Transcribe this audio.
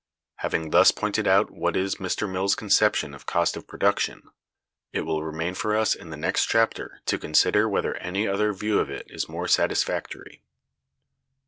Having thus pointed out what is Mr. Mill's conception of cost of production, it will remain for us in the next chapter to consider whether any other view of it is more satisfactory.